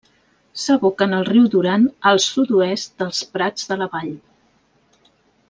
S'aboca en el riu Duran al sud-oest dels Prats de la Vall.